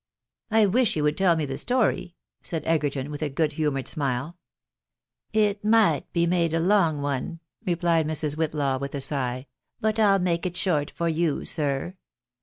" I wish you would tell me the story," said Egerton, with a good humoured smile. " It might be made a long one," replied Mrs. Whitlaw with a sigh, " but I'll make it short for you, sir.